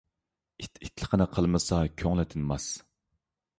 ئىت ئىتلىقىنى قىلمىسا كۆڭلى تىنماس.